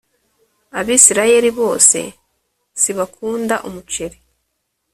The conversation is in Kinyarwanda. abisirayeli bose sibakunda umuceri